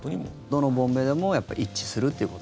どのボンベでもやっぱり一致するということ。